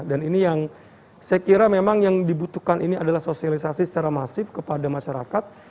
dan ini yang saya kira memang yang dibutuhkan ini adalah sosialisasi secara masif kepada masyarakat